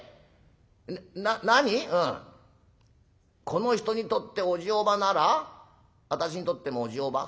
『この人にとっておじおばなら私にとってもおじおば』？